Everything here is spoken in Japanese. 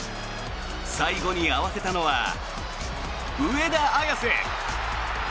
最後に合わせたのは上田綺世。